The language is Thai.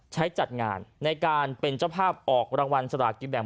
ใช้จัดงานในการเป็นเจ้าภาพออกรางวัลสลากกินแบ่ง